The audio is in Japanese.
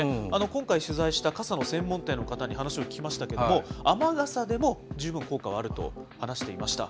今回、取材した傘の専門店の方に話を聞きましたけれども、雨傘でも十分効果はあると話していました。